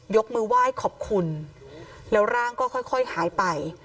ยกมือไหว้ขอบคุณแล้วร่างก็ค่อยหายไป